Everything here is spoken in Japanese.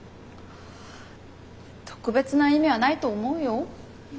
特別な意味はないと思うよ。